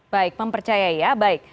baik mempercayai ya